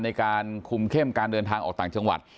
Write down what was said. ในการคุมเข้มการเดินทางออกต่างจังหวัด